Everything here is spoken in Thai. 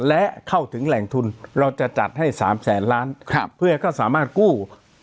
และเข้าถึงแหล่งทุนเราจะจัดให้๓แสนล้านเพื่อก็สามารถกู้